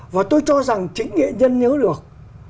và tớ cho rằng chính nghệ nhân nhớ được